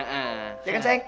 tapi semoga mereka ngebring aja